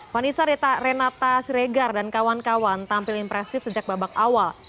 vanessa renata siregar dan kawan kawan tampil impresif sejak babak awal